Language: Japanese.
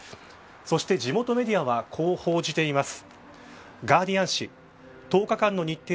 そして地元メディアはこう報じています。